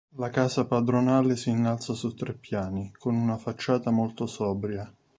La casa padronale si innalza su tre piani, con una facciata molto sobria.